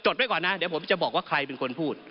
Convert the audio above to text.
จดด้วยก่อนนะเดี๋ยวผมจะบอกใครเป็นคนพูด